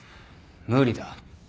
無理だ。